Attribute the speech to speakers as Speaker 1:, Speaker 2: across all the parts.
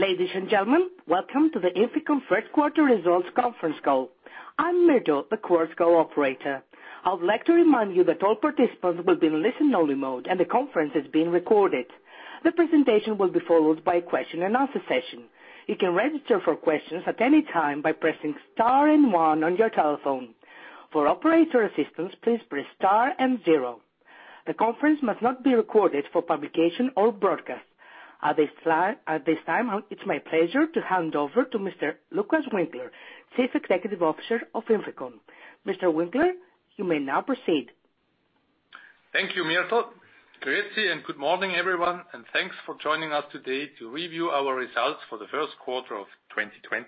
Speaker 1: Ladies and gentlemen, welcome to the INFICON first quarter results conference call. I'm Myrtle, the chorus call operator. I would like to remind you that all participants will be in listen-only mode, and the conference is being recorded. The presentation will be followed by a question and answer session. You can register for questions at any time by pressing star and One on your telephone. For operator assistance, please press Star and Zero. The conference must not be recorded for publication or broadcast. At this time, it's my pleasure to hand over to Mr. Lukas Winkler, Chief Executive Officer of INFICON. Mr. Winkler, you may now proceed.
Speaker 2: Thank you, Myrtle. Greetings, good morning, everyone, and thanks for joining us today to review our results for the first quarter of 2020.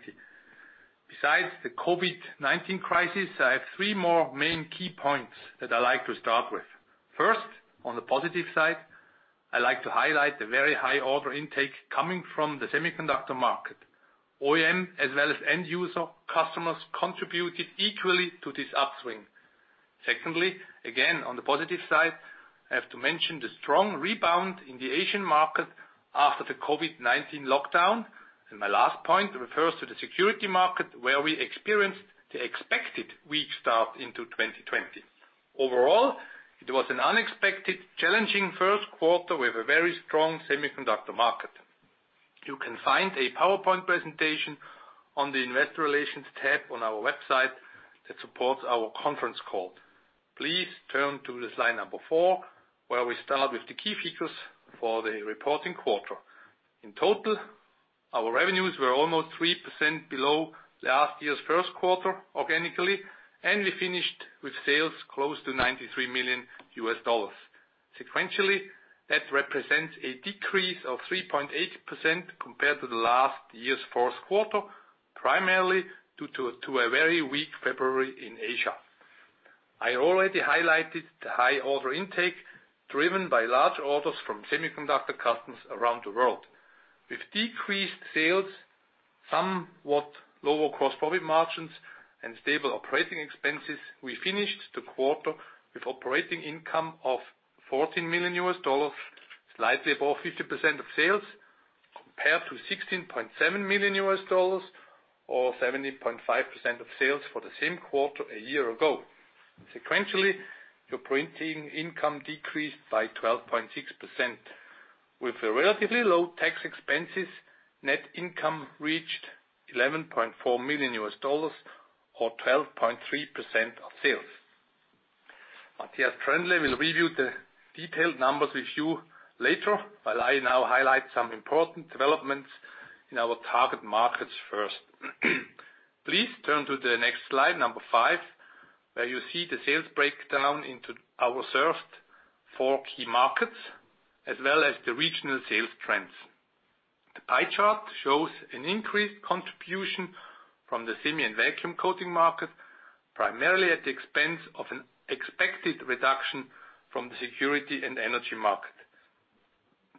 Speaker 2: Besides the COVID-19 crisis, I have three more main key points that I like to start with. First, on the positive side, I like to highlight the very high order intake coming from the semiconductor market. OEM as well as end user customers contributed equally to this upswing. Secondly, again, on the positive side, I have to mention the strong rebound in the Asian market after the COVID-19 lockdown. My last point refers to the security market where we experienced the expected weak start into 2020. Overall, it was an unexpected, challenging first quarter with a very strong semiconductor market. You can find a PowerPoint presentation on the investor relations tab on our website that supports our conference call. Please turn to slide number four, where we start with the key features for the reporting quarter. In total, our revenues were almost 3% below last year's first quarter organically, and we finished with sales close to $93 million. Sequentially, that represents a decrease of 3.8% compared to the last year's fourth quarter, primarily due to a very weak February in Asia. I already highlighted the high order intake driven by large orders from semiconductor customers around the world. With decreased sales, somewhat lower gross profit margins, and stable operating expenses, we finished the quarter with operating income of $14 million, slightly above 50% of sales, compared to $16.7 million or 70.5% of sales for the same quarter a year ago. Sequentially, the operating income decreased by 12.6%. With the relatively low tax expenses, net income reached $11.4 million or 12.3% of sales. Matthias Troendle will review the detailed numbers with you later, while I now highlight some important developments in our target markets first. Please turn to the next slide, number five, where you see the sales breakdown into our served four key markets, as well as the regional sales trends. The pie chart shows an increased contribution from the semi and vacuum coating market, primarily at the expense of an expected reduction from the security and energy market.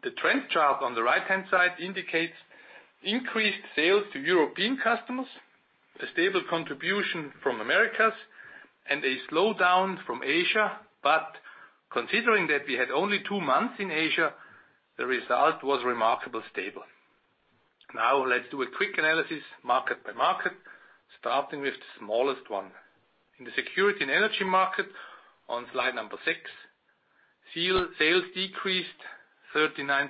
Speaker 2: The trend chart on the right-hand side indicates increased sales to European customers, a stable contribution from Americas, and a slowdown from Asia. Considering that we had only two months in Asia, the result was remarkably stable. Now let's do a quick analysis market by market, starting with the smallest one. In the security and energy market, on slide number six, sales decreased 39.7%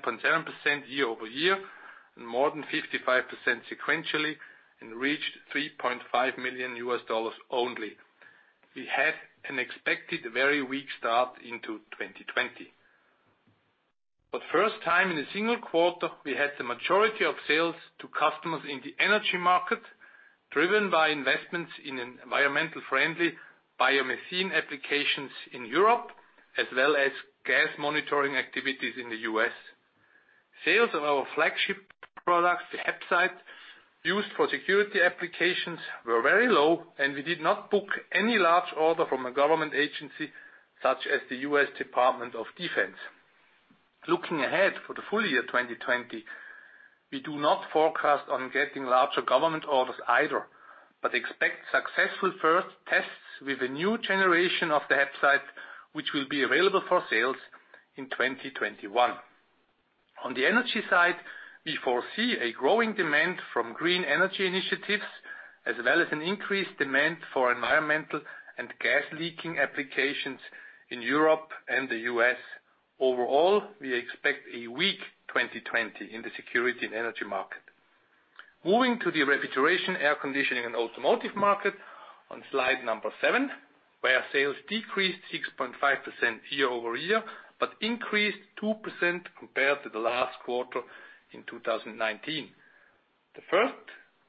Speaker 2: year-over-year and more than 55% sequentially and reached $3.5 million only. We had an expected very weak start into 2020. First time in a single quarter, we had the majority of sales to customers in the energy market, driven by investments in environmental-friendly biomethane applications in Europe, as well as gas monitoring activities in the U.S. Sales of our flagship product, the HAPSITE, used for security applications, were very low, and we did not book any large order from a government agency such as the U.S. Department of Defense. Looking ahead for the full year 2020, we do not forecast on getting larger government orders either, but expect successful first tests with a new generation of the HAPSITE, which will be available for sales in 2021. On the energy side, we foresee a growing demand from green energy initiatives as well as an increased demand for environmental and gas leaking applications in Europe and the U.S. Overall, we expect a weak 2020 in the security and energy market. Moving to the refrigeration, air conditioning, and automotive market on slide number seven, where sales decreased 6.5% year-over-year but increased 2% compared to the last quarter in 2019. The first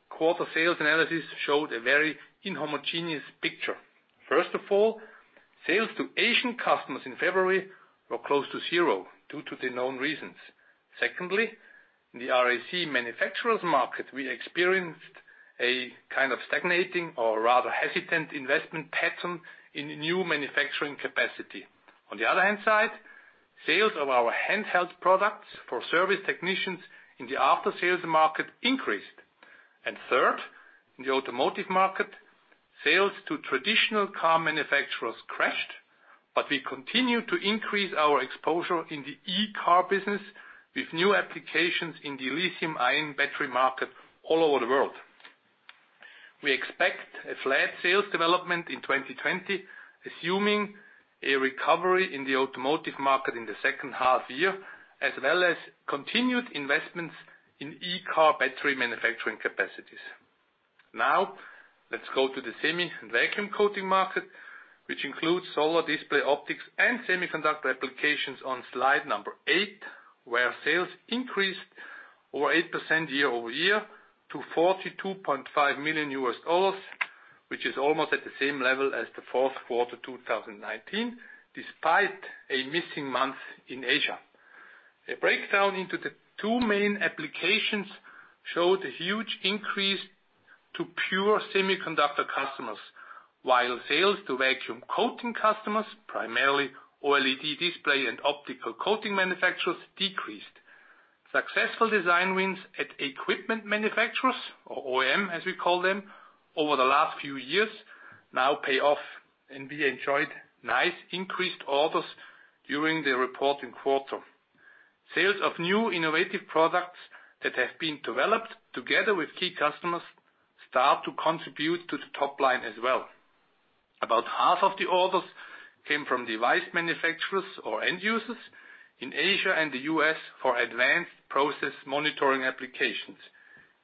Speaker 2: quarter sales analysis showed a very inhomogeneous picture. First of all, sales to Asian customers in February were close to zero due to the known reasons. Secondly, in the RAC manufacturers market, we experienced a kind of stagnating or rather hesitant investment pattern in new manufacturing capacity. On the other hand side, sales of our handheld products for service technicians in the after-sales market increased. Third, in the automotive market, sales to traditional car manufacturers crashed, but we continue to increase our exposure in the e-car business with new applications in the lithium ion battery market all over the world. We expect a flat sales development in 2020, assuming a recovery in the automotive market in the second half year, as well as continued investments in e-car battery manufacturing capacities. Let's go to the semi and vacuum coating market, which includes solar display optics and semiconductor applications on slide number eight, where sales increased over 8% year-over-year to $42.5 million, which is almost at the same level as the fourth quarter 2019, despite a missing month in Asia. A breakdown into the two main applications showed a huge increase to pure semiconductor customers. While sales to vacuum coating customers, primarily OLED display and optical coating manufacturers decreased. Successful design wins at equipment manufacturers or OEM, as we call them, over the last few years now pay off, and we enjoyed nice increased orders during the reporting quarter. Sales of new innovative products that have been developed together with key customers start to contribute to the top line as well. About half of the orders came from device manufacturers or end users in Asia and the U.S. for advanced process monitoring applications,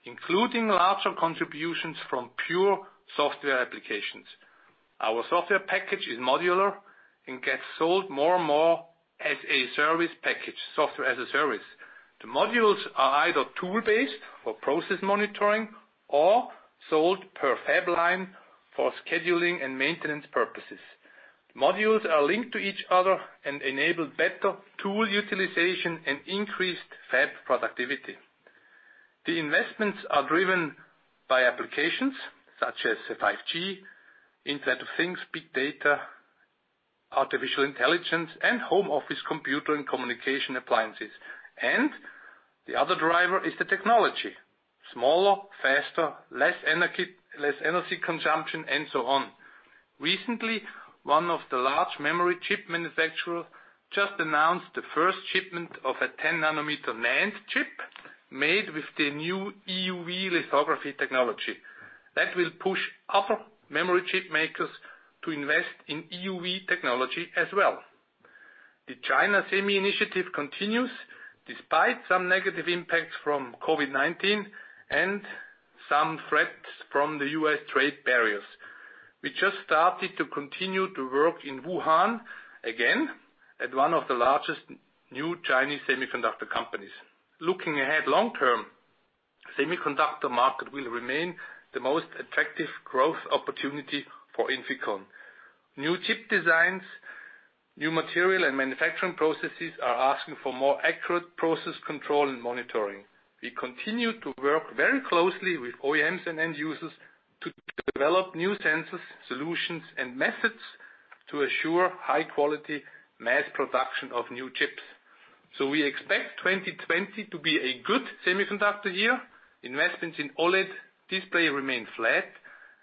Speaker 2: including larger contributions from pure software applications. Our software package is modular and gets sold more and more as a service package, software as a service. The modules are either tool-based or process monitoring, or sold per fab line for scheduling and maintenance purposes. Modules are linked to each other and enable better tool utilization and increased fab productivity. The investments are driven by applications such as 5G, Internet of Things, big data, artificial intelligence, and home office computer and communication appliances. The other driver is the technology. Smaller, faster, less energy consumption and so on. Recently, one of the large memory chip manufacturer just announced the first shipment of a 10 nanometer NAND chip made with the new EUV lithography technology. That will push other memory chip makers to invest in EUV technology as well. The China Semi initiative continues despite some negative impacts from COVID-19 and some threats from the U.S. trade barriers. We just started to continue to work in Wuhan again at one of the largest new Chinese semiconductor companies. Looking ahead long-term, semiconductor market will remain the most attractive growth opportunity for INFICON. New chip designs, new material and manufacturing processes are asking for more accurate process control and monitoring. We continue to work very closely with OEMs and end users to develop new sensors, solutions, and methods to assure high quality mass production of new chips. We expect 2020 to be a good semiconductor year. Investments in OLED display remain flat,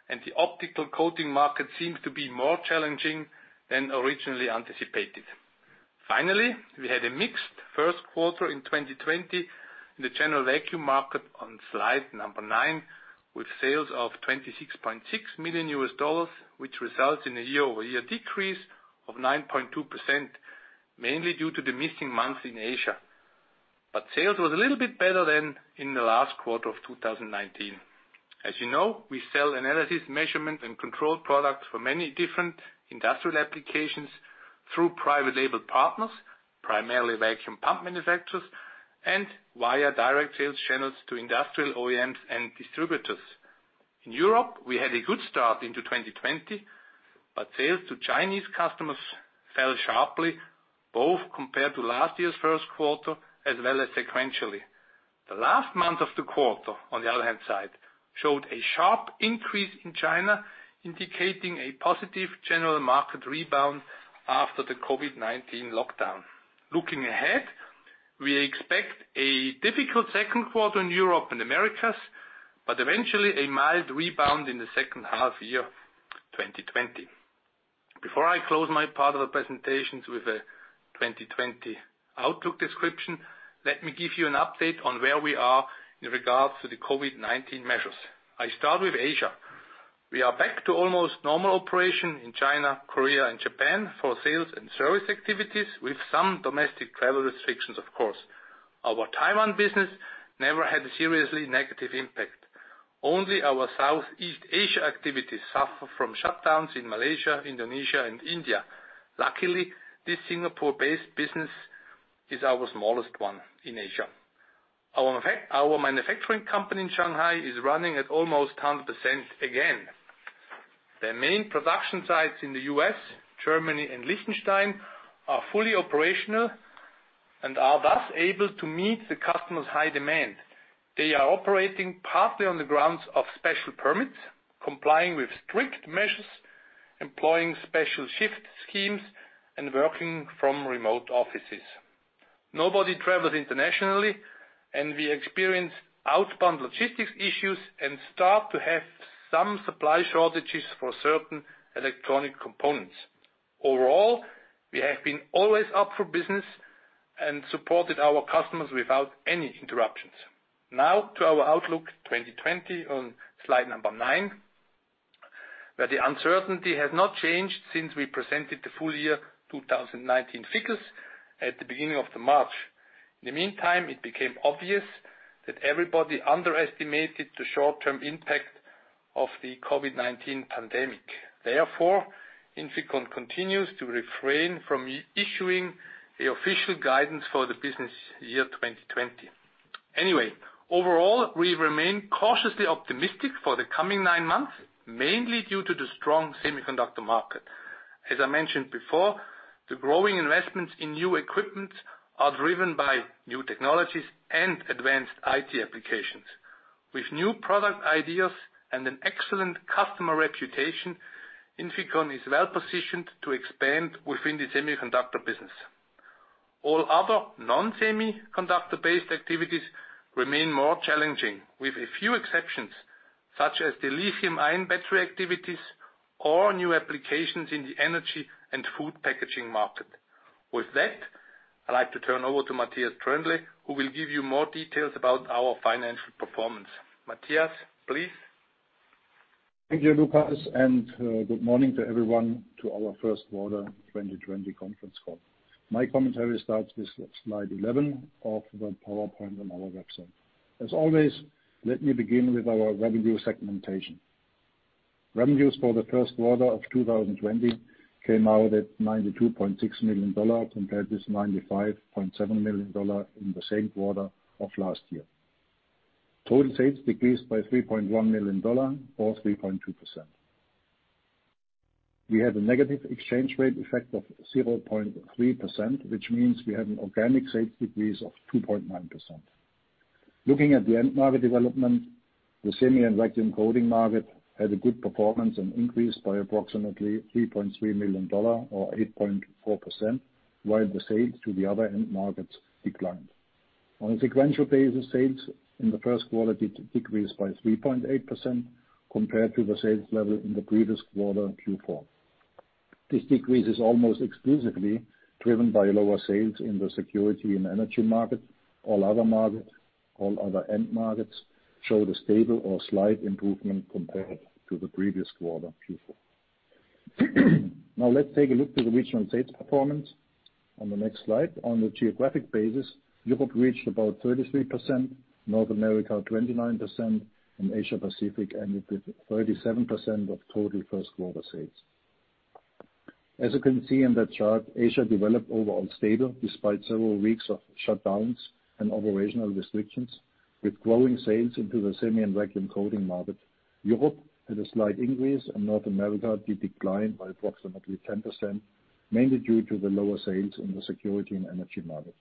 Speaker 2: and the optical coating market seems to be more challenging than originally anticipated. Finally, we had a mixed first quarter in 2020 in the general vacuum market on slide number nine, with sales of $26.6 million, which results in a year-over-year decrease of 9.2%, mainly due to the missing months in Asia. Sales was a little bit better than in the last quarter of 2019. As you know, we sell analysis measurement and control products for many different industrial applications through private label partners, primarily vacuum pump manufacturers, and via direct sales channels to industrial OEMs and distributors. In Europe, we had a good start into 2020, but sales to Chinese customers fell sharply, both compared to last year's first quarter as well as sequentially. The last month of the quarter, on the other hand side, showed a sharp increase in China, indicating a positive general market rebound after the COVID-19 lockdown. Looking ahead, we expect a difficult second quarter in Europe and Americas, but eventually a mild rebound in the second half year 2020. Before I close my part of the presentations with a 2020 outlook description, let me give you an update on where we are in regards to the COVID-19 measures. I start with Asia. We are back to almost normal operation in China, Korea, and Japan for sales and service activities, with some domestic travel restrictions, of course. Our Taiwan business never had a seriously negative impact. Only our Southeast Asia activities suffer from shutdowns in Malaysia, Indonesia, and India. Luckily, this Singapore-based business is our smallest one in Asia. Our manufacturing company in Shanghai is running at almost 100% again. The main production sites in the U.S., Germany, and Liechtenstein are fully operational and are thus able to meet the customer's high demand. They are operating partly on the grounds of special permits, complying with strict measures, employing special shift schemes, and working from remote offices. Nobody travels internationally, and we experience outbound logistics issues and start to have some supply shortages for certain electronic components. Overall, we have been always up for business and supported our customers without any interruptions. Now to our outlook 2020 on slide number nine, where the uncertainty has not changed since we presented the full year 2019 figures at the beginning of the March. In the meantime, it became obvious that everybody underestimated the short-term impact of the COVID-19 pandemic. Therefore, INFICON continues to refrain from issuing the official guidance for the business year 2020. Anyway, overall, we remain cautiously optimistic for the coming nine months, mainly due to the strong semiconductor market. As I mentioned before, the growing investments in new equipment are driven by new technologies and advanced IT applications. With new product ideas and an excellent customer reputation, INFICON is well-positioned to expand within the semiconductor business. All other non-semiconductor-based activities remain more challenging, with a few exceptions, such as the lithium-ion battery activities or new applications in the energy and food packaging market. With that, I'd like to turn over to Matthias Troendle, who will give you more details about our financial performance. Matthias, please.
Speaker 3: Thank you, Lukas. Good morning to everyone to our first quarter 2020 conference call. My commentary starts with slide 11 of the PowerPoint on our website. As always, let me begin with our revenue segmentation. Revenues for the first quarter of 2020 came out at $92.6 million, compared with $95.7 million in the same quarter of last year. Total sales decreased by $3.1 million or 3.2%. We had a negative exchange rate effect of 0.3%, which means we had an organic sales decrease of 2.9%. Looking at the end market development, the semi-and vacuum coating market had a good performance and increased by approximately $3.3 million or 8.4%, while the sales to the other end markets declined. On a sequential basis, sales in the first quarter decreased by 3.8% compared to the sales level in the previous quarter, Q4. This decrease is almost exclusively driven by lower sales in the security and energy market. All other end markets showed a stable or slight improvement compared to the previous quarter, Q4. Let's take a look to the regional sales performance on the next slide. On a geographic basis, Europe reached about 33%, North America 29%, and Asia-Pacific ended with 37% of total first quarter sales. As you can see in that chart, Asia developed overall stable despite several weeks of shutdowns and operational restrictions, with growing sales into the semi and vacuum coating market. Europe had a slight increase and North America did decline by approximately 10%, mainly due to the lower sales in the security and energy market.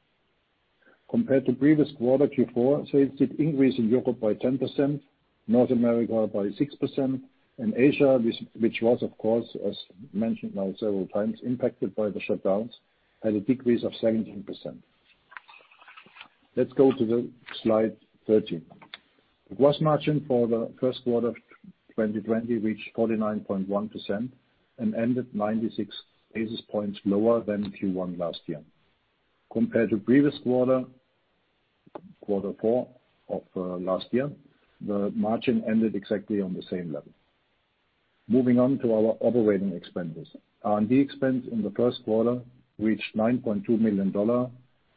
Speaker 3: Compared to previous quarter, Q4, sales did increase in Europe by 10%, North America by 6%, and Asia, which was of course, as mentioned now several times, impacted by the shutdowns, had a decrease of 17%. Let's go to the slide 13. Gross margin for the first quarter of 2020 reached 49.1% and ended 96 basis points lower than Q1 last year. Compared to previous quarter four of last year, the margin ended exactly on the same level. Moving on to our operating expenditures. R&D expense in the first quarter reached $9.2 million,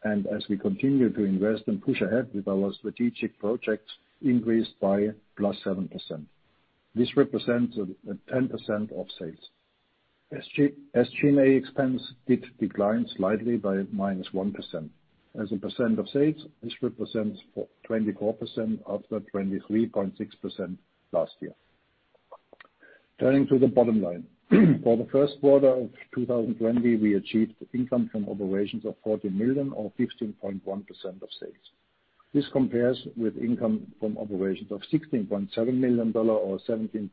Speaker 3: and as we continue to invest and push ahead with our strategic projects, increased by plus 7%. This represents 10% of sales. SG&A expense did decline slightly by -1%. As a % of sales, this represents 24% after 23.6% last year. Turning to the bottom line. For the first quarter of 2020, we achieved income from operations of $14 million or 15.1% of sales. This compares with income from operations of $16.7 million or 17.5%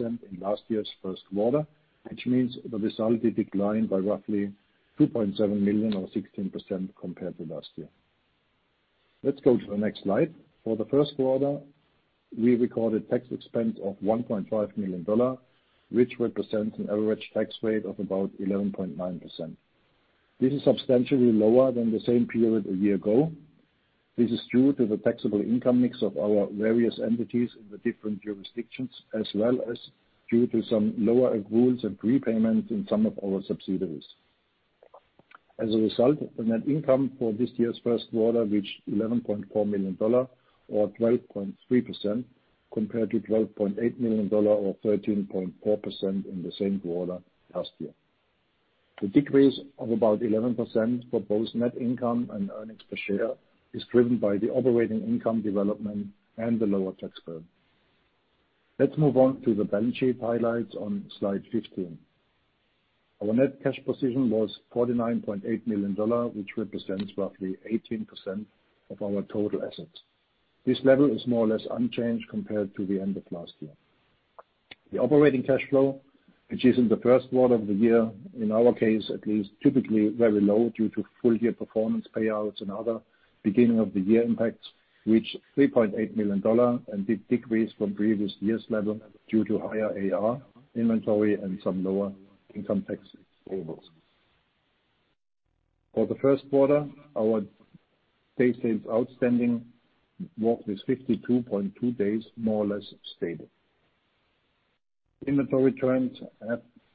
Speaker 3: in last year's first quarter, which means the result did decline by roughly $2.7 million or 16% compared to last year. Let's go to the next slide. For the first quarter, we recorded tax expense of $1.5 million, which represents an average tax rate of about 11.9%. This is substantially lower than the same period a year ago. This is due to the taxable income mix of our various entities in the different jurisdictions, as well as due to some lower accruals and repayments in some of our subsidiaries. As a result, the net income for this year's first quarter reached $11.4 million or 12.3%, compared to $12.8 million or 13.4% in the same quarter last year. The decrease of about 11% for both net income and earnings per share is driven by the operating income development and the lower tax bill. Let's move on to the balance sheet highlights on slide 15. Our net cash position was $49.8 million, which represents roughly 18% of our total assets. This level is more or less unchanged compared to the end of last year. The operating cash flow, which is in the first quarter of the year, in our case at least, typically very low due to full year performance payouts and other beginning of the year impacts, reached $3.8 million and did decrease from previous year's level due to higher AR inventory and some lower income tax payables. For the first quarter, our day sales outstanding was 52.2 days, more or less stable. Inventory trends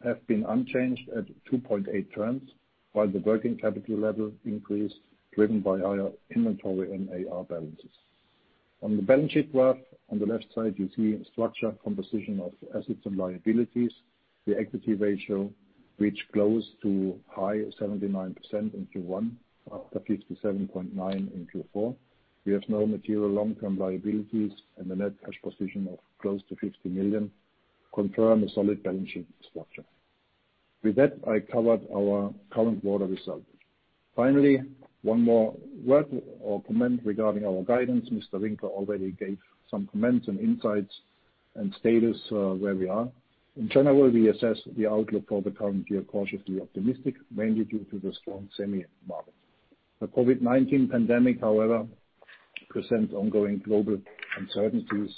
Speaker 3: have been unchanged at 2.8 trends, while the working capital level increased, driven by our inventory and AR balances. On the balance sheet graph, on the left side, you see structure composition of assets and liabilities. The equity ratio, which goes to high 79% in Q1, after 57.9% in Q4. We have no material long-term liabilities and a net cash position of close to $50 million, confirm a solid balance sheet structure. With that, I covered our current quarter results. Finally, one more word or comment regarding our guidance. Mr. Winkler already gave some comments and insights and status where we are. In general, we assess the outlook for the current year cautiously optimistic, mainly due to the strong semi market. The COVID-19 pandemic, however, presents ongoing global uncertainties.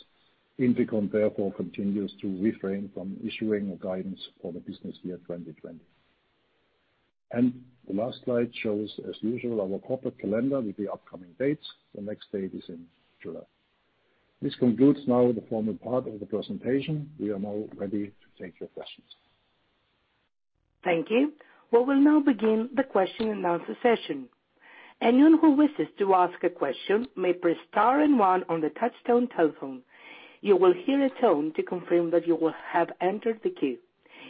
Speaker 3: INFICON, therefore, continues to refrain from issuing guidance for the business year 2020. The last slide shows, as usual, our corporate calendar with the upcoming dates. The next date is in July. This concludes now the formal part of the presentation. We are now ready to take your questions.
Speaker 1: Thank you. We will now begin the question and answer session. Anyone who wishes to ask a question may press star and one on the touchtone telephone. You will hear a tone to confirm that you have entered the queue.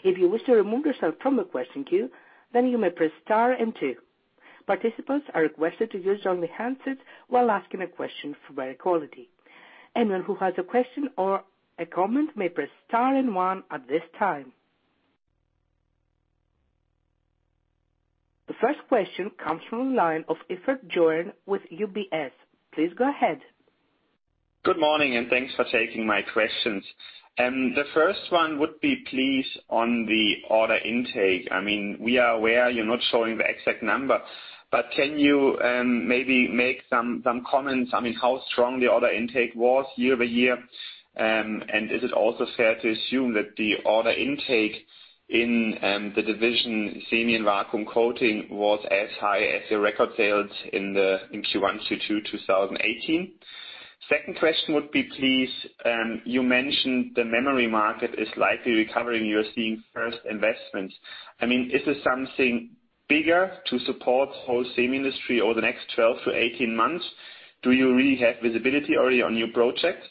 Speaker 1: If you wish to remove yourself from the question queue, you may press star and two. Participants are requested to use only handsets while asking a question for better quality. Anyone who has a question or a comment may press star and one at this time. The first question comes from the line of Iffert Joern with UBS. Please go ahead.
Speaker 4: Good morning, thanks for taking my questions. The first one would be please on the order intake. We are aware you're not showing the exact number, but can you maybe make some comments, how strong the order intake was year-over-year? Is it also fair to assume that the order intake in the division Semi and Vacuum Coating was as high as the record sales in Q1, Q2 2018? Second question would be, please, you mentioned the memory market is likely recovering. You're seeing first investments. Is this something bigger to support the whole semi industry over the next 12 to 18 months? Do you really have visibility already on new projects?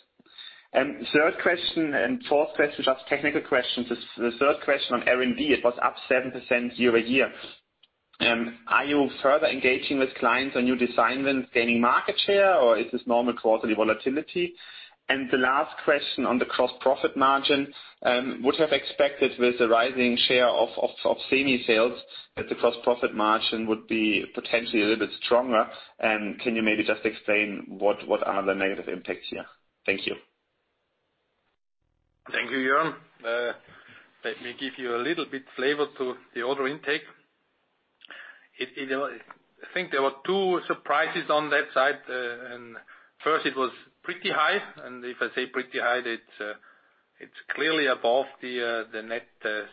Speaker 4: Third question and fourth question, just technical questions. The third question on R&D, it was up 7% year-over-year. Are you further engaging with clients on new design wins, gaining market share, or is this normal quarterly volatility? The last question on the gross profit margin. Would have expected with the rising share of semi sales that the gross profit margin would be potentially a little bit stronger. Can you maybe just explain what are the negative impacts here? Thank you.
Speaker 2: Thank you, Joern. Let me give you a little bit flavor to the order intake. I think there were two surprises on that side. First it was pretty high, and if I say pretty high, it's clearly above the net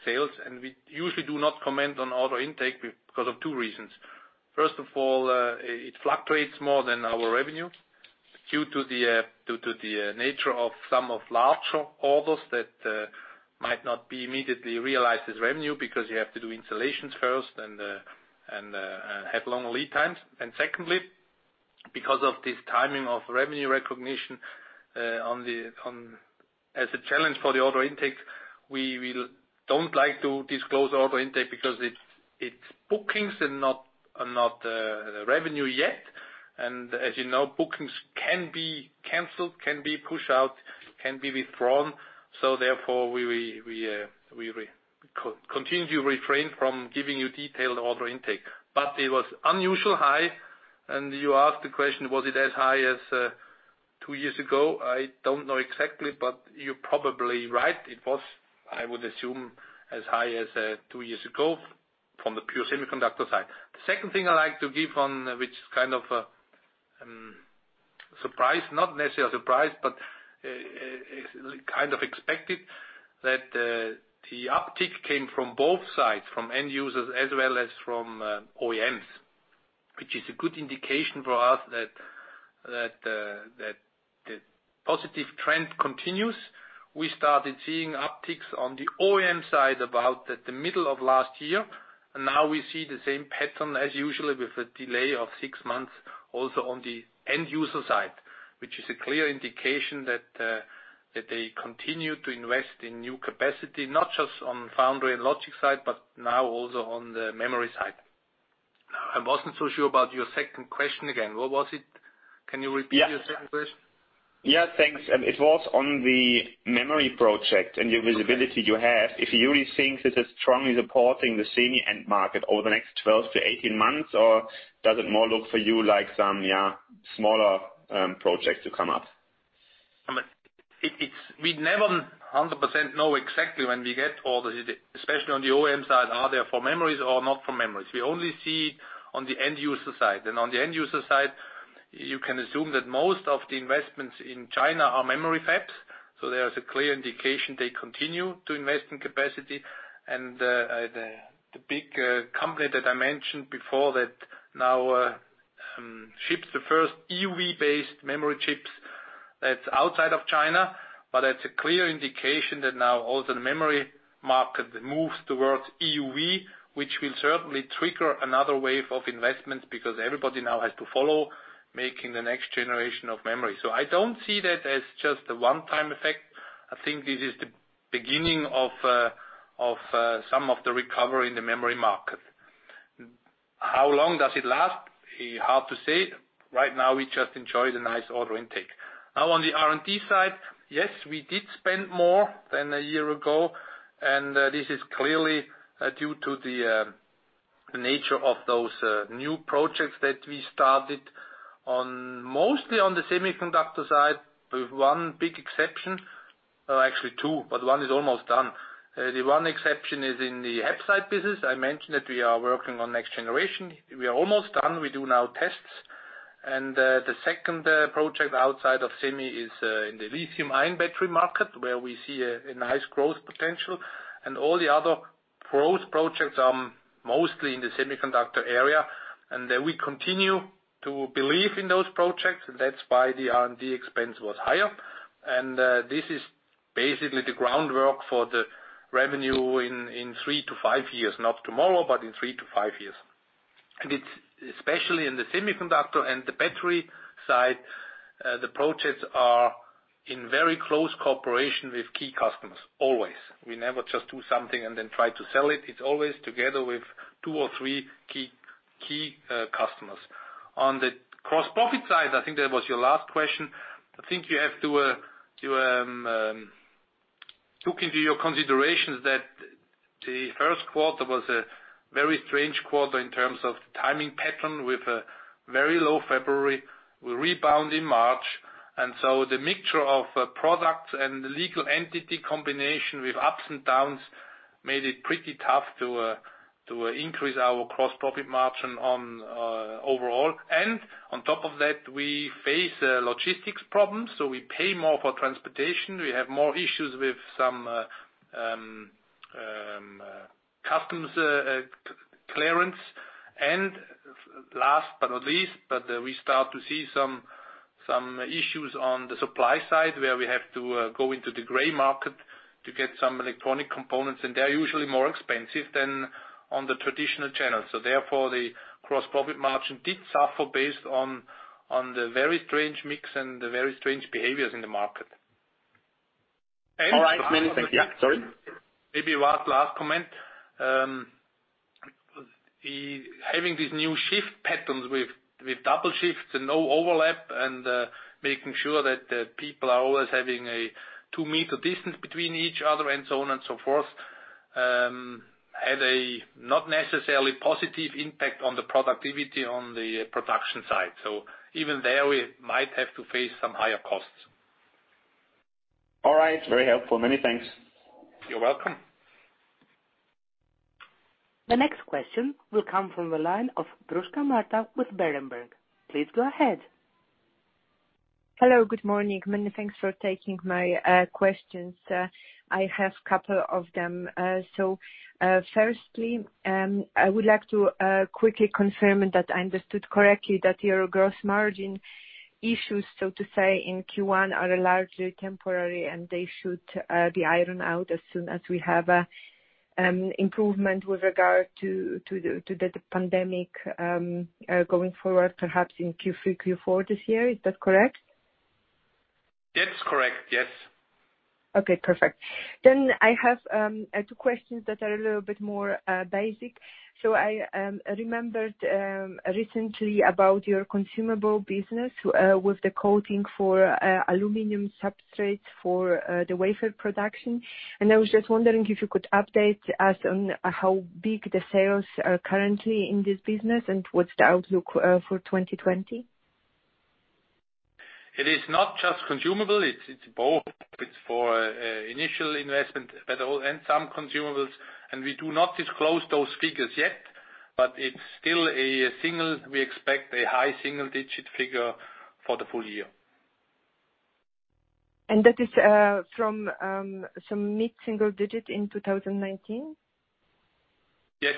Speaker 2: sales. We usually do not comment on order intake because of two reasons. First of all, it fluctuates more than our revenue due to the nature of some of larger orders that might not be immediately realized as revenue because you have to do installations first and have long lead times. Secondly, because of this timing of revenue recognition as a challenge for the order intake, we don't like to disclose order intake because it's bookings and not revenue yet. As you know, bookings can be canceled, can be pushed out, can be withdrawn. Therefore, we continue to refrain from giving you detailed order intake. It was unusually high, and you asked the question, was it as high as two years ago? I don't know exactly, but you're probably right. It was, I would assume, as high as two years ago from the pure semiconductor side. The second thing I like to give on, which is kind of a surprise, not necessarily a surprise, but is kind of expected, that the uptick came from both sides, from end users as well as from OEMs, which is a good indication for us that the positive trend continues. We started seeing upticks on the OEM side about at the middle of last year. Now we see the same pattern as usual with a delay of six months also on the end user side, which is a clear indication that they continue to invest in new capacity, not just on foundry and logic side, but now also on the memory side. Now, I wasn't so sure about your second question again. What was it? Can you repeat your second question?
Speaker 4: Yeah. Thanks. It was on the memory project and your visibility you have. If you really think this is strongly supporting the semi end market over the next 12 to 18 months, or does it more look for you like smaller projects to come up?
Speaker 2: We never 100% know exactly when we get orders, especially on the OEM side, are they for memories or not for memories? We only see on the end user side. On the end user side, you can assume that most of the investments in China are memory fabs. There is a clear indication they continue to invest in capacity. The big company that I mentioned before that now ships the first EUV-based memory chips, that's outside of China. That's a clear indication that now also the memory market moves towards EUV, which will certainly trigger another wave of investments because everybody now has to follow, making the next generation of memory. I don't see that as just a one-time effect. I think this is the beginning of some of the recovery in the memory market. How long does it last? Hard to say. Right now, we just enjoy the nice order intake. On the R&D side, yes, we did spend more than a year ago, and this is clearly due to the nature of those new projects that we started, mostly on the semiconductor side, with one big exception. Actually two, but one is almost done. The one exception is in the HAPSITE business. I mentioned that we are working on next generation. We are almost done. We do now tests. The second project outside of semi is in the lithium-ion battery market, where we see a nice growth potential. All the other growth projects are mostly in the semiconductor area. We continue to believe in those projects. That's why the R&D expense was higher. This is basically the groundwork for the revenue in three to five years. Not tomorrow, but in three to five years. Especially in the semiconductor and the battery side, the projects are in very close cooperation with key customers, always. We never just do something and then try to sell it. It's always together with two or three key customers. On the gross profit side, I think that was your last question. I think you have to take into your considerations that the first quarter was a very strange quarter in terms of the timing pattern with a very low February. We rebound in March. The mixture of products and the legal entity combination with ups and downs made it pretty tough to increase our gross profit margin on overall. On top of that, we face logistics problems, so we pay more for transportation. We have more issues with some customs clearance. Last but not least, we start to see some issues on the supply side, where we have to go into the gray market to get some electronic components, and they're usually more expensive than on the traditional channels. Therefore, the gross profit margin did suffer based on the very strange mix and the very strange behaviors in the market.
Speaker 4: All right. Many thank you. Sorry?
Speaker 2: Maybe one last comment. Having these new shift patterns with double shifts and no overlap and making sure that people are always having a 2-meter distance between each other and so on and so forth, had a not necessarily positive impact on the productivity on the production side. Even there, we might have to face some higher costs.
Speaker 4: All right. Very helpful. Many thanks.
Speaker 2: You're welcome.
Speaker 1: The next question will come from the line of Marta Bruska with Berenberg. Please go ahead.
Speaker 5: Hello, good morning. Many thanks for taking my questions. I have couple of them. Firstly, I would like to quickly confirm that I understood correctly that your gross margin issues, so to say, in Q1, are largely temporary and they should be ironed out as soon as we have an improvement with regard to the pandemic, going forward, perhaps in Q3, Q4 this year. Is that correct?
Speaker 2: That's correct, yes.
Speaker 5: Okay, perfect. I have two questions that are a little bit more basic. I remembered recently about your consumable business, with the coating for aluminum substrates for the wafer production. I was just wondering if you could update us on how big the sales are currently in this business and what's the outlook for 2020?
Speaker 2: It is not just consumable. It's both. It's for initial investment as a whole and some consumables. We do not disclose those figures yet, but we expect a high single-digit figure for the full year.
Speaker 5: That is from some mid-single digit in 2019?
Speaker 2: Yes.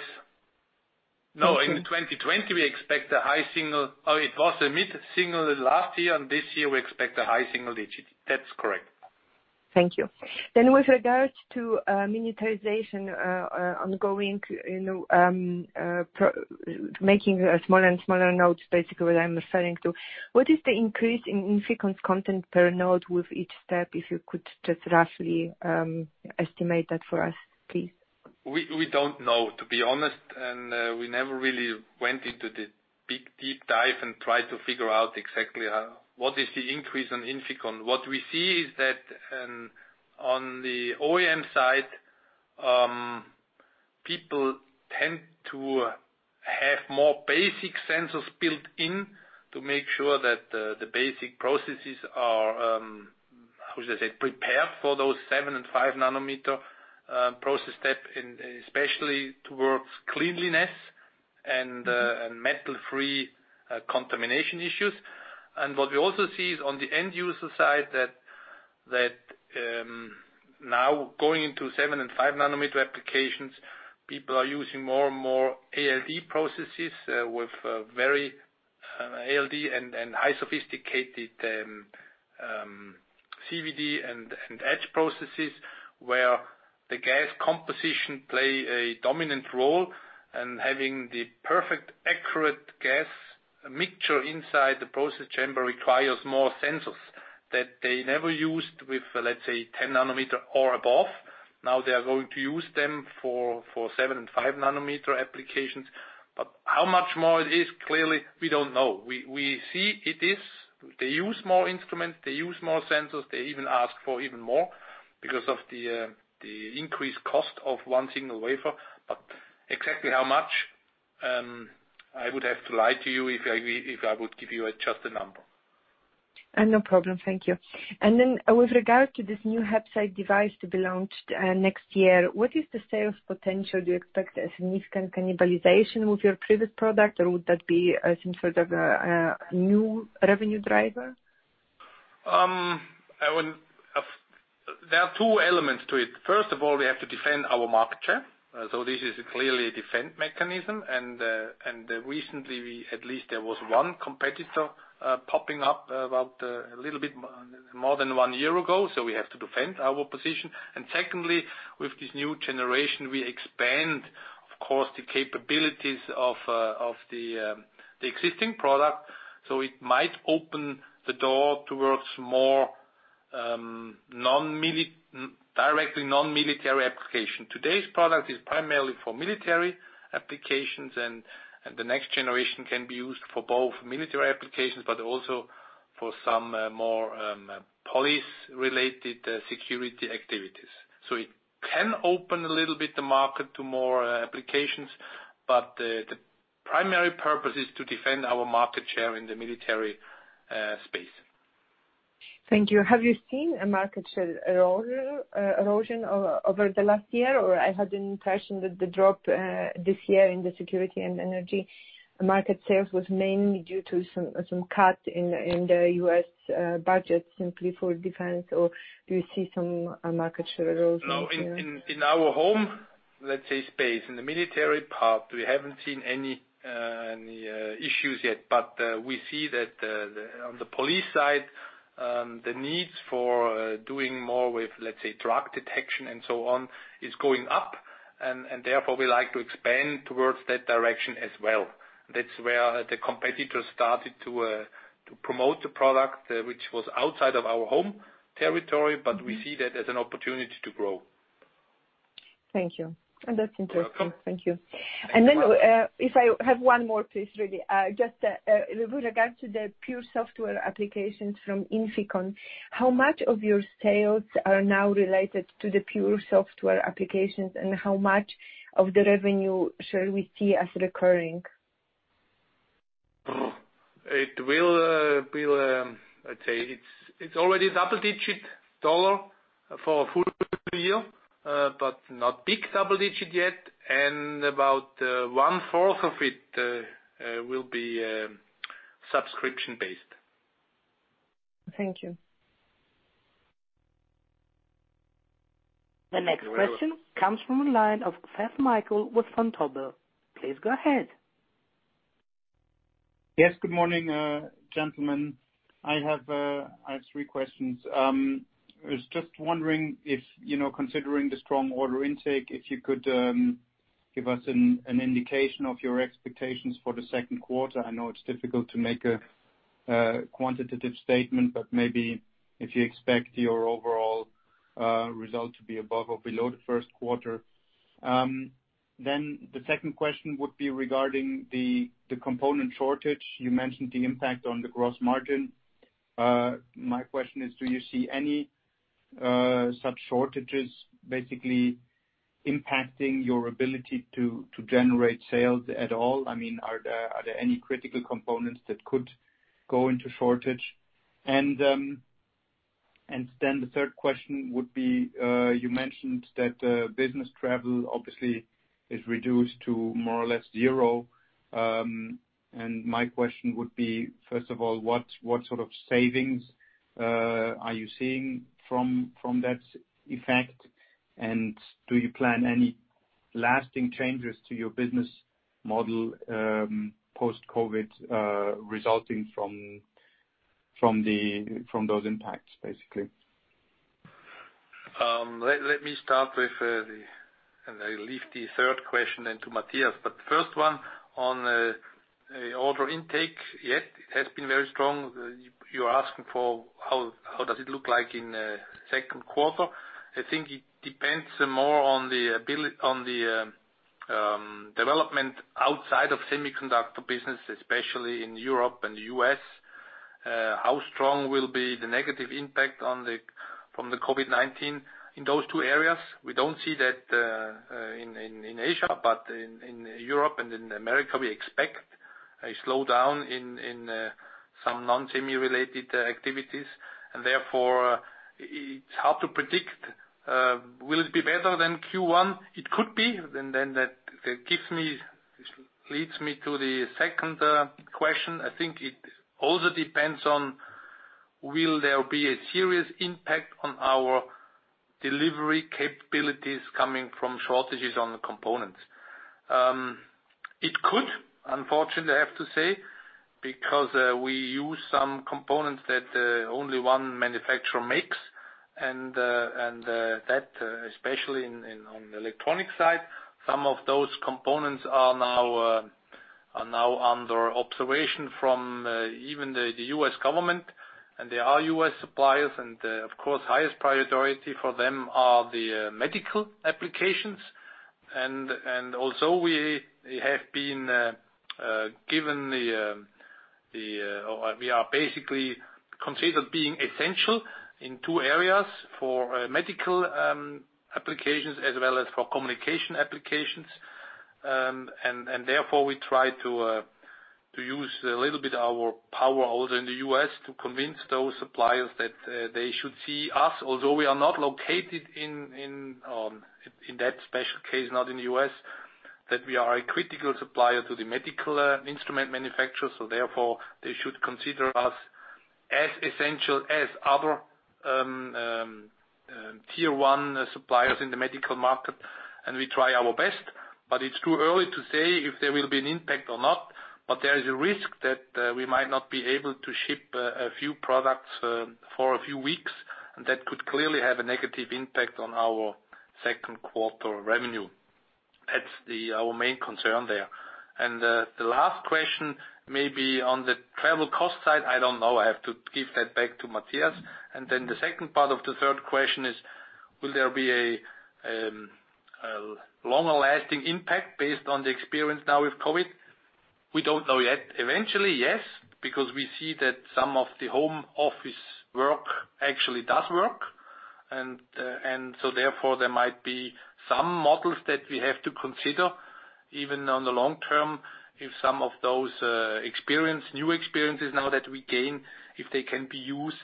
Speaker 2: No, in 2020 we expect a high single, Oh, it was a mid-single last year, and this year we expect a high single digit. That's correct.
Speaker 5: Thank you. With regards to miniaturization, ongoing, making smaller and smaller nodes, basically what I'm referring to. What is the increase in INFICON content per node with each step, if you could just roughly estimate that for us, please?
Speaker 2: We don't know, to be honest. We never really went into the big deep dive and tried to figure out exactly what is the increase on INFICON. What we see is that on the OEM side. To have more basic sensors built in to make sure that the basic processes are, how should I say, prepared for those 7 and 5 nanometer process step, and especially towards cleanliness and metal-free contamination issues. What we also see is on the end user side that now going into 7 and 5 nanometer applications, people are using more and more ALD processes with very ALD and high sophisticated CVD and etch processes, where the gas composition play a dominant role. Having the perfect accurate gas mixture inside the process chamber requires more sensors that they never used with, let's say, 10 nanometer or above. Now they are going to use them for 7 and 5 nanometer applications. How much more it is, clearly, we don't know. We see it is they use more instruments, they use more sensors. They even ask for even more because of the increased cost of one single wafer. Exactly how much, I would have to lie to you if I would give you just a number.
Speaker 5: No problem. Thank you. Then with regard to this new HAPSITE device to be launched next year, what is the sales potential? Do you expect a significant cannibalization with your previous product, or would that be some sort of a new revenue driver?
Speaker 2: There are two elements to it. First of all, we have to defend our market share. This is clearly a defense mechanism. Recently, at least there was one competitor popping up about a little bit more than one year ago. We have to defend our position. Secondly, with this new generation, we expand, of course, the capabilities of the existing product. It might open the door towards more directly non-military application. Today's product is primarily for military applications, and the next generation can be used for both military applications, but also for some more police-related security activities. It can open a little bit the market to more applications, but the primary purpose is to defend our market share in the military space.
Speaker 5: Thank you. Have you seen a market share erosion over the last year? I had the impression that the drop this year in the security and energy market sales was mainly due to some cut in the U.S. budget simply for defense. Do you see some market share erosion here?
Speaker 2: No, in our home, let's say, space, in the military part, we haven't seen any issues yet. We see that on the police side, the needs for doing more with, let's say, drug detection and so on is going up, and therefore we like to expand towards that direction as well. That's where the competitor started to promote the product, which was outside of our home territory. We see that as an opportunity to grow.
Speaker 5: Thank you. That's interesting. Thank you. If I have one more please, really. Just with regard to the pure software applications from INFICON, how much of your sales are now related to the pure software applications, and how much of the revenue shall we see as recurring?
Speaker 2: It will be, let's say, it's already double-digit dollar for a full year but not big double digit yet, and about one fourth of it will be subscription-based.
Speaker 5: Thank you.
Speaker 1: The next question comes from the line of Foeth Michael with Vontobel. Please go ahead.
Speaker 6: Yes, good morning, gentlemen. I have three questions. I was just wondering if considering the strong order intake, if you could give us an indication of your expectations for the second quarter. Maybe if you expect your overall result to be above or below the first quarter. The second question would be regarding the component shortage. You mentioned the impact on the gross margin. My question is, do you see any such shortages basically impacting your ability to generate sales at all? Are there any critical components that could go into shortage? The third question would be, you mentioned that business travel obviously is reduced to more or less zero. My question would be, first of all, what sort of savings are you seeing from that effect, and do you plan any lasting changes to your business model post-COVID resulting from those impacts, basically?
Speaker 2: I leave the third question then to Matthias. First one on order intake. Yes, it has been very strong. You're asking for how does it look like in second quarter. I think it depends more on the development outside of semiconductor business, especially in Europe and the U.S. How strong will be the negative impact from the COVID-19 in those two areas? We don't see that in Asia, in Europe and in America, we expect a slowdown in some non-semi-related activities, and therefore it's hard to predict. Will it be better than Q1? It could be. That leads me to the second question. I think it also depends on will there be a serious impact on our delivery capabilities coming from shortages on the components. It could, unfortunately, I have to say, because we use some components that only one manufacturer makes and that, especially on the electronic side, some of those components are now under observation from even the U.S. government, and they are U.S. suppliers and of course, highest priority for them are the medical applications. Also we are basically considered being essential in two areas for medical applications as well as for communication applications. Therefore, we try to use a little bit our power also in the U.S. to convince those suppliers that they should see us, although we are not located, in that special case, not in the U.S., that we are a critical supplier to the medical instrument manufacturers. Therefore, they should consider us as essential as other tier 1 suppliers in the medical market, and we try our best. It's too early to say if there will be an impact or not, but there is a risk that we might not be able to ship a few products for a few weeks, and that could clearly have a negative impact on our second quarter revenue. That's our main concern there. The last question may be on the travel cost side, I don't know. I have to give that back to Matthias. The second part of the third question is, will there be a longer lasting impact based on the experience now with COVID-19? We don't know yet. Eventually, yes, because we see that some of the home office work actually does work. Therefore, there might be some models that we have to consider, even on the long term, if some of those new experiences now that we gain, if they can be used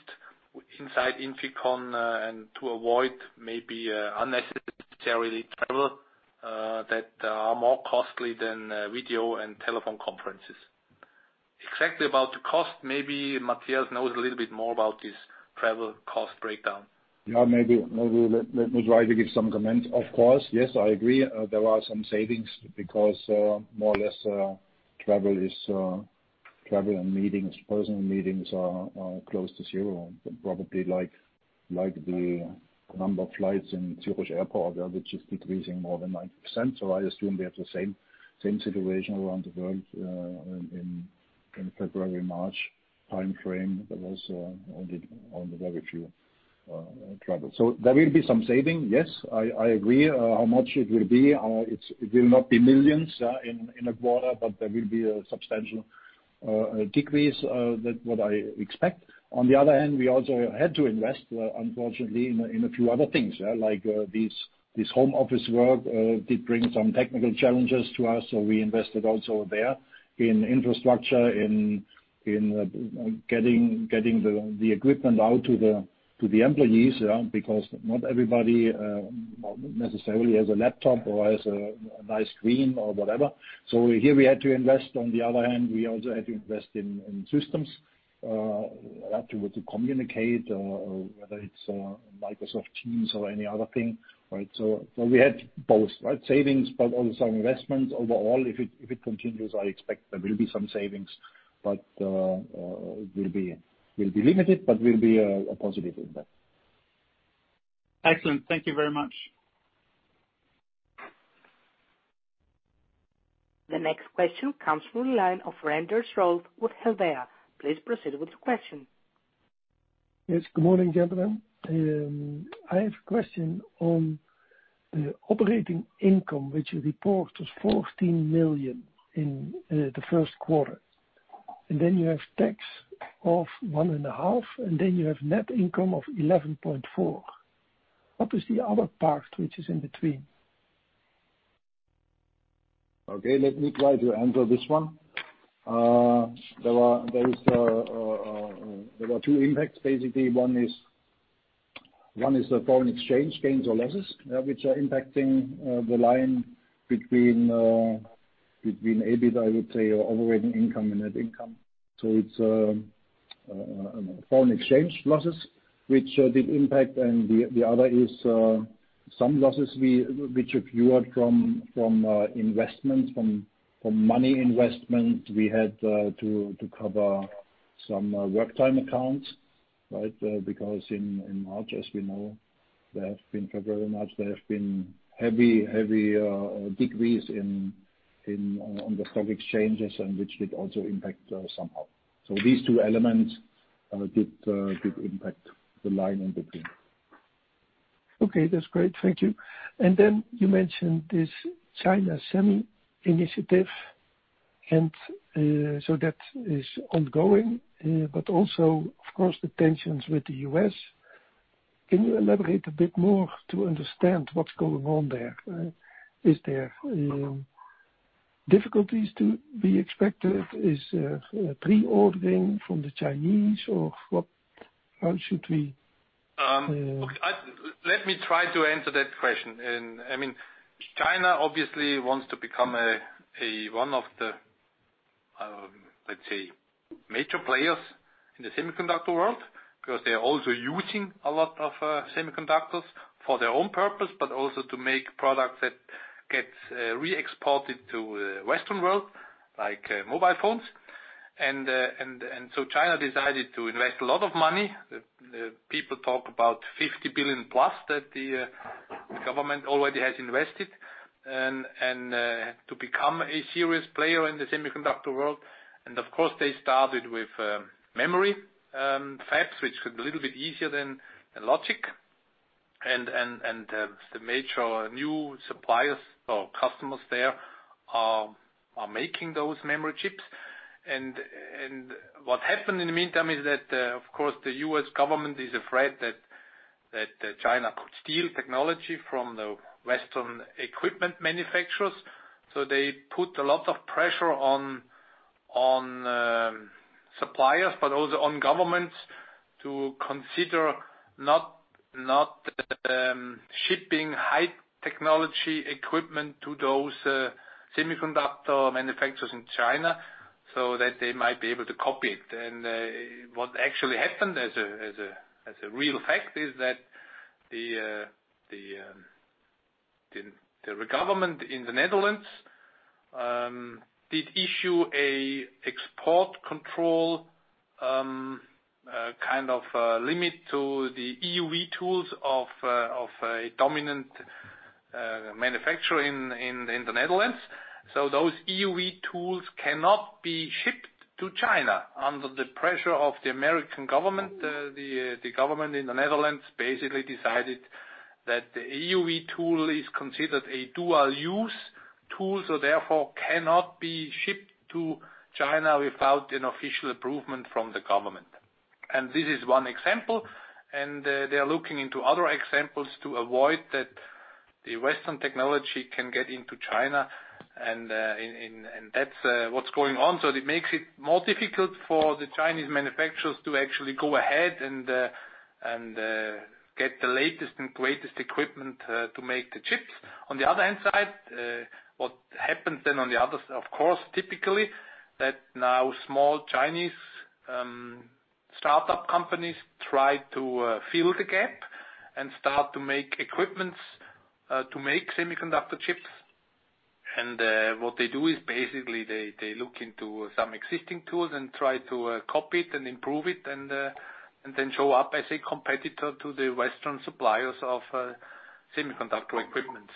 Speaker 2: inside INFICON, and to avoid maybe unnecessarily travel, that are more costly than video and telephone conferences. Exactly about the cost, maybe Matthias knows a little bit more about this travel cost breakdown.
Speaker 3: Yeah. Maybe let me try to give some comments. Of course. Yes, I agree. There are some savings because more or less, travel and meetings, personal meetings, are close to zero. Probably like the number of flights in Zurich Airport, which is decreasing more than 90%. I assume they have the same situation around the world, in February, March time frame, there was only very few travel. There will be some saving, yes, I agree. How much it will be? It will not be $ millions in a quarter, but there will be a substantial decrease, that what I expect. On the other hand, we also had to invest, unfortunately, in a few other things. Like this home office work did bring some technical challenges to us, we invested also there in infrastructure, in getting the equipment out to the employees, because not everybody necessarily has a laptop or has a nice screen or whatever. Here we had to invest. On the other hand, we also had to invest in systems, had to communicate, whether it's Microsoft Teams or any other thing. We had both, savings, but also investments. Overall, if it continues, I expect there will be some savings, but will be limited, but will be a positive impact.
Speaker 6: Excellent. Thank you very much.
Speaker 1: The next question comes from the line of Reinders Rolf with Mirabaud. Please proceed with your question.
Speaker 7: Yes. Good morning, gentlemen. I have a question on the operating income, which you report was $14 million in the first quarter. Then you have tax of $1.5, then you have net income of $11.4. What is the other part which is in between?
Speaker 3: Okay, let me try to answer this one. There were two impacts. Basically, one is the foreign exchange gains or losses, which are impacting the line between, EBIT, I would say, or operating income and net income. It's foreign exchange losses which did impact. The other is some losses which occurred from money investment. We had to cover some work time accounts. Because in March, as we know, February, March, there have been heavy decrease on the stock exchanges, and which did also impact somehow. These two elements did impact the line in between.
Speaker 7: Okay, that's great. Thank you. You mentioned this China Semi initiative, that is ongoing. Also, of course, the tensions with the U.S. Can you elaborate a bit more to understand what's going on there? Is there difficulties to be expected? Is there pre-ordering from the Chinese, or how should we-
Speaker 2: Let me try to answer that question. China obviously wants to become one of the, let's say, major players in the semiconductor world because they are also using a lot of semiconductors for their own purpose, but also to make products that get re-exported to the Western world, like mobile phones. China decided to invest a lot of money. People talk about $50 billion plus that the government already has invested to become a serious player in the semiconductor world. Of course, they started with memory fabs, which is a little bit easier than logic. The major new suppliers or customers there are making those memory chips. What happened in the meantime is that, of course, the U.S. government is afraid that China could steal technology from the Western equipment manufacturers. They put a lot of pressure on suppliers, but also on governments to consider not shipping high technology equipment to those semiconductor manufacturers in China so that they might be able to copy it. What actually happened as a real fact is that the government in the Netherlands did issue an export control limit to the EUV tools of a dominant manufacturer in the Netherlands. Those EUV tools cannot be shipped to China. Under the pressure of the American government, the government in the Netherlands basically decided that the EUV tool is considered a dual-use tool, so therefore cannot be shipped to China without an official approval from the government. This is one example, and they are looking into other examples to avoid that the Western technology can get into China, and that's what's going on. It makes it more difficult for the Chinese manufacturers to actually go ahead and get the latest and greatest equipment to make the chips. What happens then on the other side, of course, typically, that now small Chinese startup companies try to fill the gap and start to make equipments to make semiconductor chips. What they do is basically they look into some existing tools and try to copy it and improve it and then show up as a competitor to the Western suppliers of semiconductor equipment.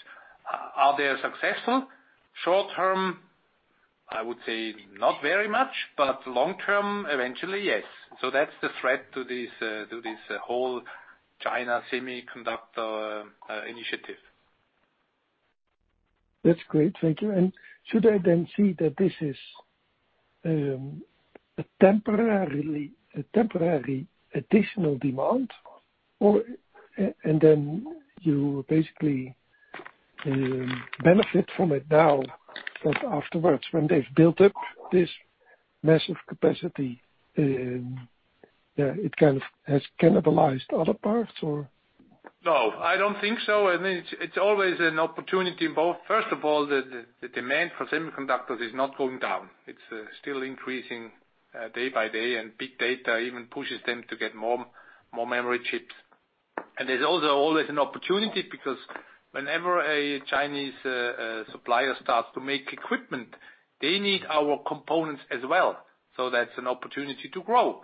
Speaker 2: Are they successful? Short term, I would say not very much, but long term, eventually, yes. That's the threat to this whole China Semiconductor initiative.
Speaker 7: That's great. Thank you. Should I then see that this is a temporary additional demand? Then you basically benefit from it now, but afterwards, when they've built up this massive capacity, it has cannibalized other parts or?
Speaker 2: No, I don't think so. It's always an opportunity both. First of all, the demand for semiconductors is not going down. It's still increasing day by day, and big data even pushes them to get more memory chips. There's also always an opportunity because whenever a Chinese supplier starts to make equipment, they need our components as well. That's an opportunity to grow.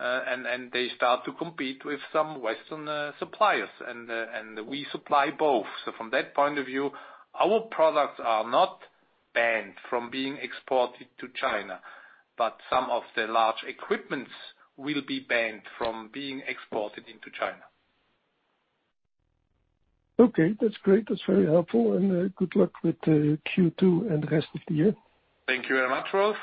Speaker 2: They start to compete with some Western suppliers, and we supply both. From that point of view, our products are not banned from being exported to China, but some of the large equipments will be banned from being exported into China.
Speaker 7: Okay, that's great. That's very helpful. Good luck with Q2 and the rest of the year.
Speaker 2: Thank you very much, Rolf.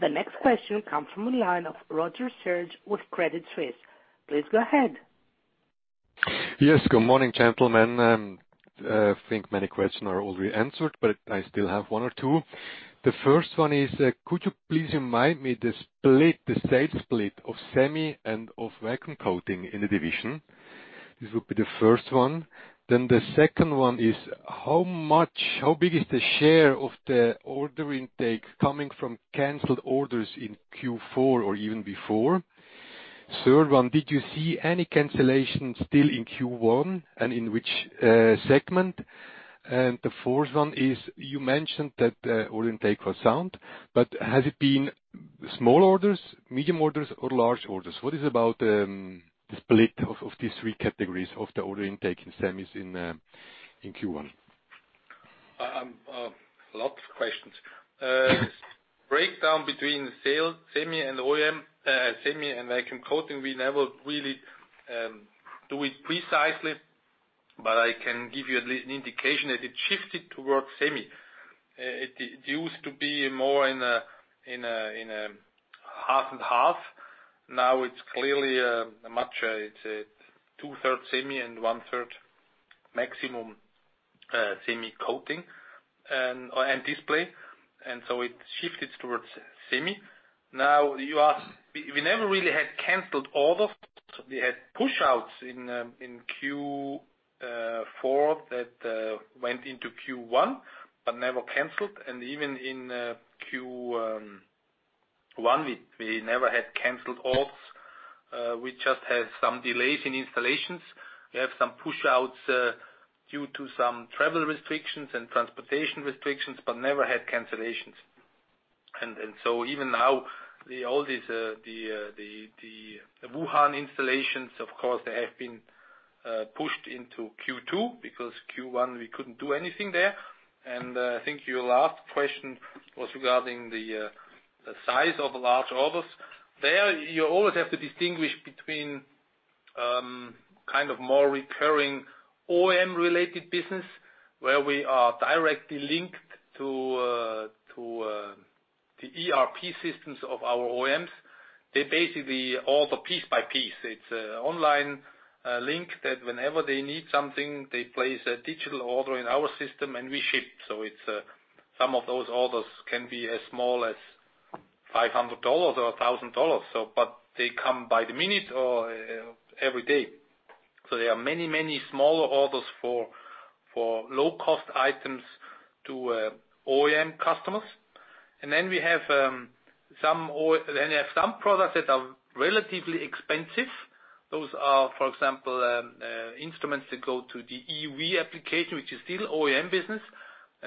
Speaker 1: The next question comes from the line of Rotzer Serge with Credit Suisse. Please go ahead.
Speaker 8: Yes, good morning, gentlemen. I think many questions are already answered, but I still have one or two. The first one is, could you please remind me the sales split of semi and of vacuum coating in the division? This would be the first one. The second one is, how big is the share of the order intake coming from canceled orders in Q4 or even before? Third one, did you see any cancellation still in Q1 and in which segment? The fourth one is, you mentioned that order intake was sound, but has it been small orders, medium orders, or large orders? What is about the split of these three categories of the order intake in semis in Q1?
Speaker 2: A lot of questions. Breakdown between sales, semi and OEM, semi and vacuum coating, we never really do it precisely, but I can give you an indication that it shifted towards semi. It used to be more in a half and half. It's clearly 2/3 semi and one-third maximum semi coating and display. It shifted towards semi. We never really had canceled orders. We had push-outs in Q4 that went into Q1, never canceled. Even in Q1, we never had canceled orders. We just had some delays in installations. We have some push-outs due to some travel restrictions and transportation restrictions, never had cancellations. Even now, all the Wuhan installations, of course, they have been pushed into Q2, because Q1, we couldn't do anything there. I think your last question was regarding the size of large orders. There, you always have to distinguish between more recurring OEM-related business, where we are directly linked to the ERP systems of our OEMs. They basically order piece by piece. It's an online link that whenever they need something, they place a digital order in our system and we ship. Some of those orders can be as small as $500 or $1,000. They come by the minute or every day. There are many smaller orders for low-cost items to OEM customers. We have some products that are relatively expensive. Those are, for example, instruments that go to the EUV application, which is still OEM business.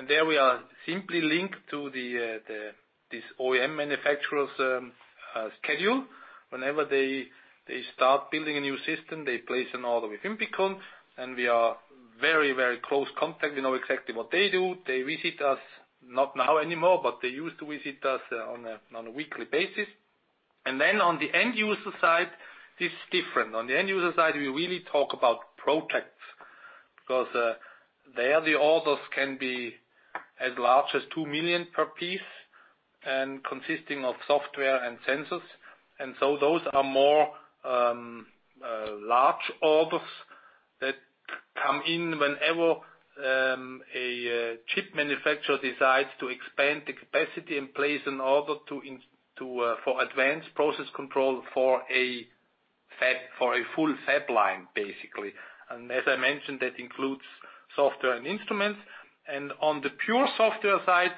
Speaker 2: There we are simply linked to this OEM manufacturer's schedule. Whenever they start building a new system, they place an order with INFICON, and we are very close contact. We know exactly what they do. They visit us, not now anymore, but they used to visit us on a weekly basis. On the end user side, it's different. On the end user side, we really talk about projects, because there the orders can be as large as $2 million per piece, and consisting of software and sensors. Those are more large orders that come in whenever a chip manufacturer decides to expand the capacity and place an order for advanced process control for a full fab line, basically. As I mentioned, that includes software and instruments. On the pure software side,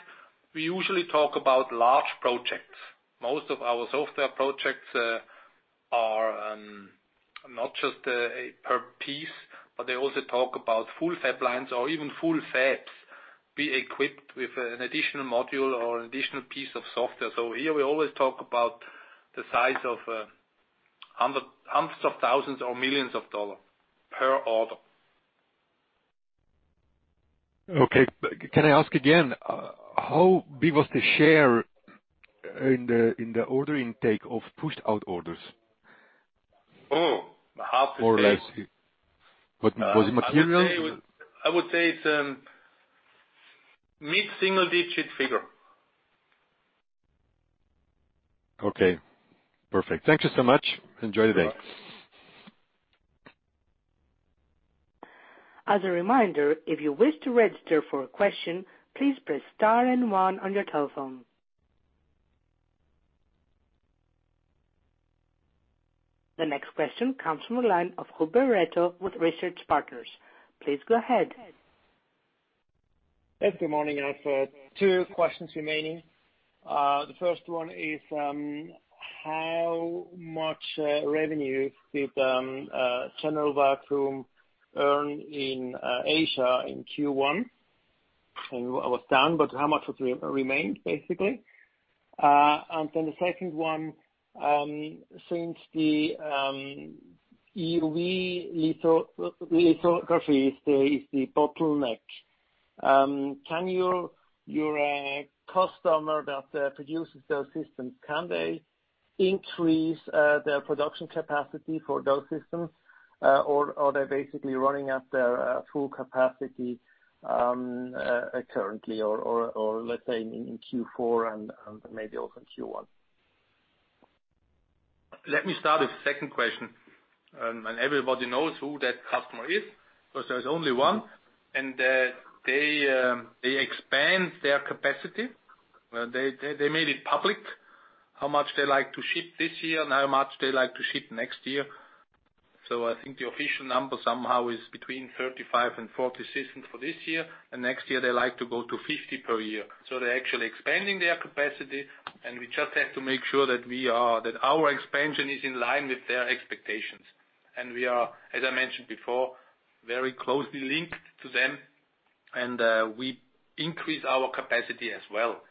Speaker 2: we usually talk about large projects. Most of our software projects are not just per piece, but they also talk about full fab lines or even full fabs be equipped with an additional module or an additional piece of software. Here we always talk about the size of hundreds of thousands or millions of dollars per order.
Speaker 8: Okay. Can I ask again? How big was the share in the order intake of pushed out orders?
Speaker 2: Oh, hard to say.
Speaker 8: More or less. Was it material?
Speaker 2: I would say it's a mid-single-digit figure.
Speaker 8: Okay. Perfect. Thank you so much. Enjoy the day.
Speaker 2: Bye-bye.
Speaker 1: As a reminder, if you wish to register for a question, please press star and one on your telephone. The next question comes from the line of Huber Reto with Research Partners. Please go ahead.
Speaker 9: Yes, good morning. I have two questions remaining. The first one is, how much revenue did General Vacuum earn in Asia in Q1? How much remained, basically? The second one, since the EUV lithography is the bottleneck. Your customer that produces those systems, can they increase their production capacity for those systems? Are they basically running at their full capacity currently, or let's say in Q4 and maybe also in Q1?
Speaker 2: Let me start with the second question. Everybody knows who that customer is, because there's only one. They expand their capacity. They made it public, how much they like to ship this year and how much they like to ship next year. I think the official number somehow is between 35 and 40 systems for this year. Next year, they like to go to 50 per year. They're actually expanding their capacity, and we just have to make sure that our expansion is in line with their expectations. We are, as I mentioned before, very closely linked to them. We increase our capacity as well.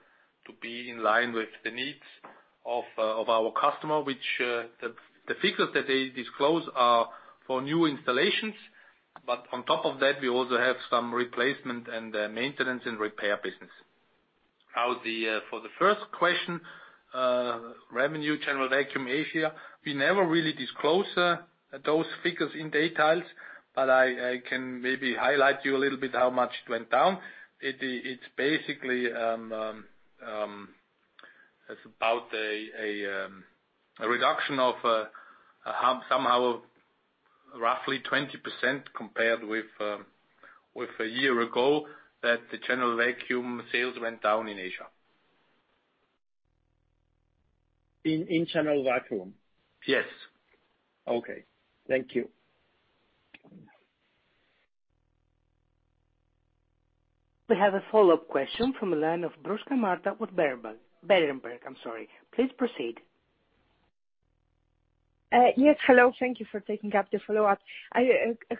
Speaker 2: To be in line with the needs of our customer, which the figures that they disclose are for new installations. On top of that, we also have some replacement and maintenance and repair business. For the first question, revenue General Vacuum Asia, we never really disclose those figures in detail, but I can maybe highlight you a little bit how much it went down. It's basically about a reduction of somehow roughly 20% compared with a year ago that the General Vacuum sales went down in Asia.
Speaker 9: In General Vacuum?
Speaker 2: Yes.
Speaker 9: Okay. Thank you.
Speaker 1: We have a follow-up question from the line of Bruska Marta with Berenberg. Please proceed.
Speaker 5: Yes. Hello. Thank you for taking up the follow-up.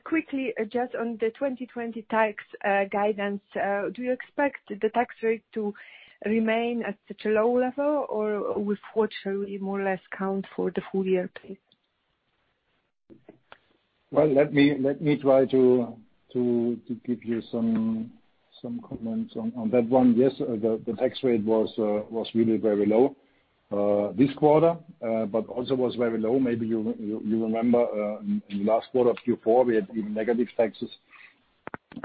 Speaker 5: Quickly, just on the 2020 tax guidance, do you expect the tax rate to remain at such a low level, or with what shall we more or less count for the full year please?
Speaker 3: Well, let me try to give you some comments on that one. Yes, the tax rate was really very low this quarter. Also was very low, maybe you remember, in the last quarter of Q4, we had even negative taxes.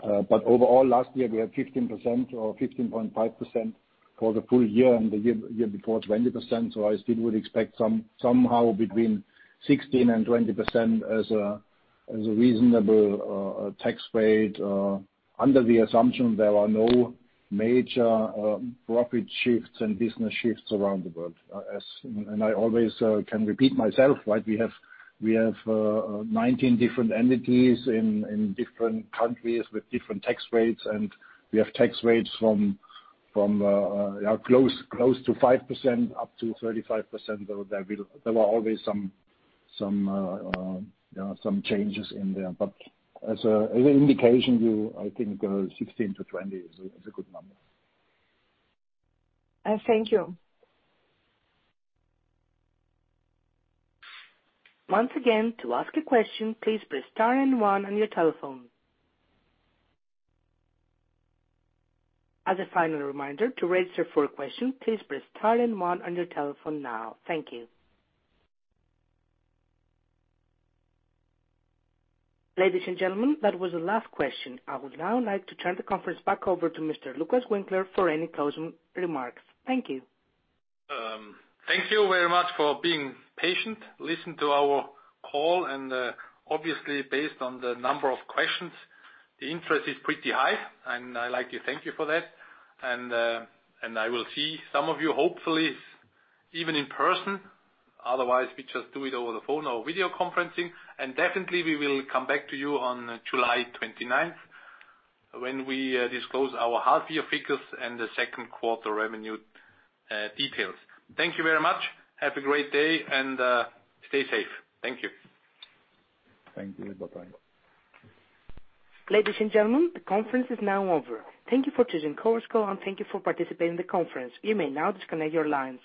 Speaker 3: Overall, last year, we had 15% or 15.5% for the full year and the year before 20%. I still would expect somehow between 16% and 20% as a reasonable tax rate under the assumption there are no major profit shifts and business shifts around the world. I always can repeat myself, we have 19 different entities in different countries with different tax rates, and we have tax rates from close to 5% up to 35%, so there are always some changes in there. As an indication view, I think 16 to 20 is a good number.
Speaker 5: Thank you.
Speaker 1: Once again, to ask a question, please press star and one on your telephone. As a final reminder, to register for a question, please press star and one on your telephone now. Thank you. Ladies and gentlemen, that was the last question. I would now like to turn the conference back over to Mr. Lukas Winkler for any closing remarks. Thank you.
Speaker 2: Thank you very much for being patient, listen to our call. Obviously, based on the number of questions, the interest is pretty high. I'd like to thank you for that. I will see some of you, hopefully, even in person. Otherwise, we just do it over the phone or video conferencing. Definitely, we will come back to you on July 29th, when we disclose our half year figures and the second quarter revenue details. Thank you very much. Have a great day. Stay safe. Thank you.
Speaker 3: Thank you. Bye-bye.
Speaker 1: Ladies and gentlemen, the conference is now over. Thank you for choosing Chorus Call, and thank you for participating in the conference. You may now disconnect your lines.